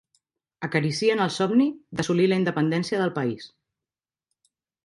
Acaricien el somni d'assolir la independència del país.